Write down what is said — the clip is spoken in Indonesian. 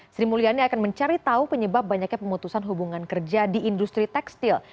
sri mulyani akan mencari tahu penyebab banyaknya pemutusan hubungan kerja di industri tekstil